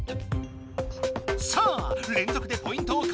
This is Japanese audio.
さあれんぞくでポイントをかせげるか？